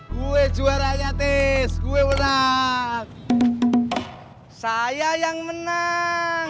gue juara nyatis gue menang saya yang menang